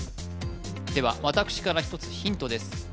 では私から１つヒントです